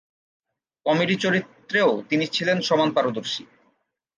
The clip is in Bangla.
কমেডি চরিত্রেও তিনি ছিলেন সমান পারদর্শী।